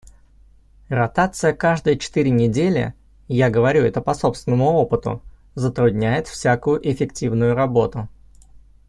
Ротация каждые четыре недели, я говорю это по собственному опыту, затрудняет всякую эффективную работу.